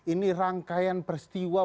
ini rangkaian peristiwa